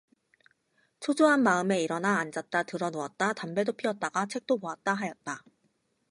초조한 마음에 일어나 앉았다 드러누웠다 담배도 피웠다가 책도 보았다 하였다.